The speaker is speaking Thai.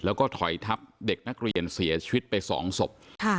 แล้วก็ถอยทับเด็กนักเรียนเสียชีวิตไปสองศพ